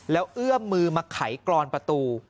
แล้วเอื้อมมือมาไขกรอนประตู